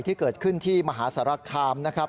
ที่เกิดขึ้นที่มหาสารคามนะครับ